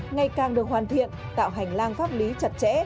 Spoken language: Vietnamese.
ngày càng được hoàn thiện tạo hành lang pháp lý chặt chẽ